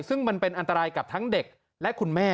ซึ่งมันเป็นอันตรายกับทั้งเด็กและคุณแม่